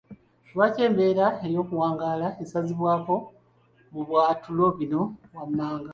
Lwaki embeera y’okuwangaala esazibwako mu byatulo bino wammanga?